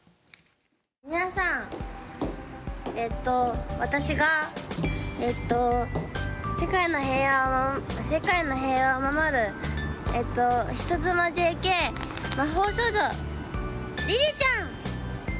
皆さん、えっとー、私が、えっと、世界の平和を守る、人妻ＪＫ魔法少女りりちゃん！